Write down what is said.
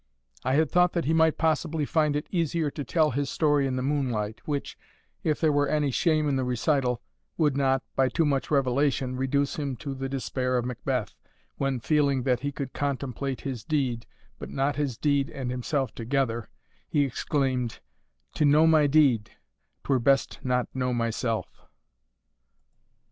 I had thought that he might possibly find it easier to tell his story in the moonlight, which, if there were any shame in the recital, would not, by too much revelation, reduce him to the despair of Macbeth, when, feeling that he could contemplate his deed, but not his deed and himself together, he exclaimed, "To know my deed, 'twere best not know myself."